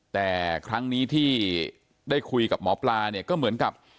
แต่ครั้งนี้ที่ได้คุยกับหมอปลาเนี่ยก็เหมือนกับ